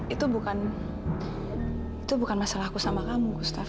itu bukan itu bukan masalahku sama kamu gustaf